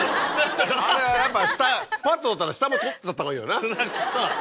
あれはやっぱパッと取ったら下取っちゃった方がいいよな。